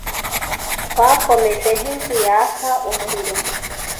Twakomeje nk'inzu yaka umuriro.